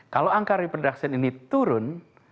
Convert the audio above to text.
kalau angka reproduction ini turun